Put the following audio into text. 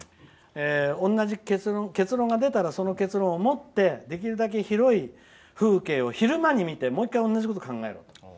同じ結論が出たらその結論を持ってできるだけ広い風景を昼間に見て、もう１回同じこと考えろって。